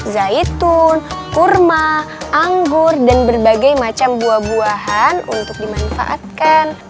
zaitun kurma anggur dan berbagai macam buah buahan untuk dimanfaatkan